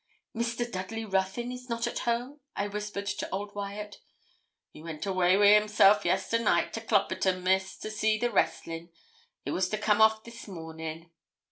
'Mr. Dudley Ruthyn is not at home?' I whispered to old Wyat. 'He went away wi' himself yesternight, to Cloperton, Miss, to see the wrestling; it was to come off this morning.'